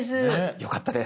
よかったです。